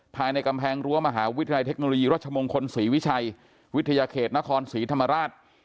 ภายในกำแพงรั้วมหาวิทยาลัยเทคโนโลยีรัชมงคลศรีวิชัยวิทยาเขตนครศรีธรรมราช